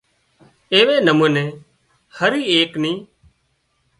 ايوي نموني هري ايڪ نِي